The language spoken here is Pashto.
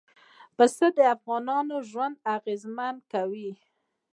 پسه د افغانانو ژوند اغېزمن کوي.